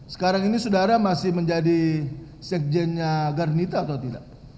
sekarang ini saudara masih menjadi sekjennya garnita atau tidak